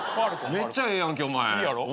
めっちゃええやんけお前。いいやろ？